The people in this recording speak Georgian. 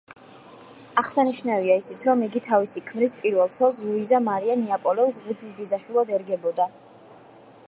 აღსანიშნავია ისიც, რომ იგი თავისი ქმრის პირველ ცოლს, ლუიზა მარია ნეაპოლელს ღვიძლ ბიძაშვილად ერგებოდა.